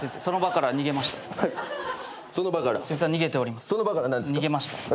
その場から逃げました。